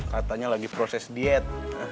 katanya lagi proses diet